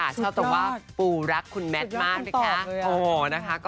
ชอบตรงว่าปูรักคุณแมทมากนะคะ